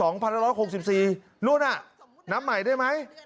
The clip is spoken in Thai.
นู่นน่ะนับใหม่ได้ไหม